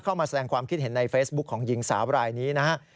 เข้ามาแสดงความคิดเห็นในเฟซบุ๊คของหญิงสาวรายนี้นะฮะ